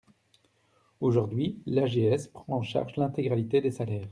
Aujourd’hui, l’AGS prend en charge l’intégralité des salaires.